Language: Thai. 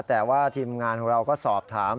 แต่ว่าทีมงานของเราก็สอบถาม